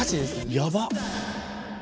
やばっ！